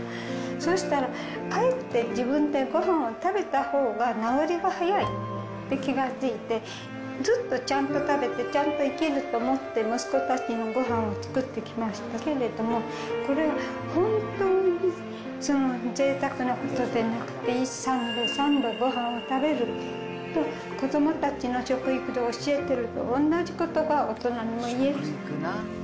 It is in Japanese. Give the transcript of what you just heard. そうしたらかえって自分でごはんを食べたほうが治りが早いって気がついて、ずっとちゃんと食べてちゃんと生きると思って息子たちのごはんを作ってきましたけれども、これが本当にぜいたくなことでなくて、１日三度、三度、ごはんを食べると、子どもたちの食育で教えてるのと同じことが大人にもいえる。